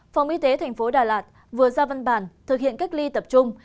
phòng y tế thành phố đà lạt vừa ra văn bản thực hiện cách ly tập trung